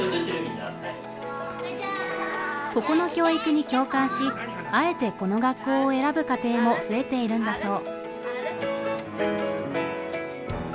ここの教育に共感しあえてこの学校を選ぶ家庭も増えているんだそう。